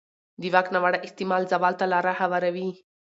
د واک ناوړه استعمال زوال ته لاره هواروي